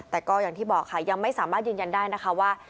แต่ก็อย่างที่บอกค่ะยังไม่สามารถยืนยันได้นะคะว่า